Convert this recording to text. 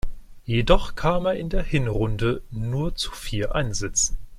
Jedoch kam er in der Hinrunde nur zu vier Einsätzen.